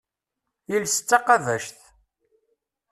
Iles d taqabact.